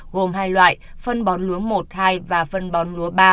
gồm hai loại phân bón lúa một hai và phân bón lúa ba